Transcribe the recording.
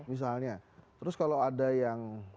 misalnya terus kalau ada yang